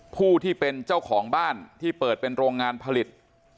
ผู้ที่เป็นเจ้าของบ้านที่เปิดเป็นโรงงานผลิต